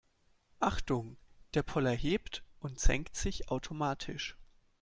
Achtung, der Poller hebt und senkt sich automatisch.